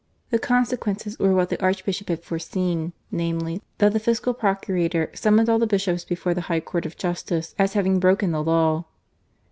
The consequences were what the Arch bishop had foreseen, namely, that the Fiscal Procu rator summoned all the Bishops before the High Court of Justice as having broken the law.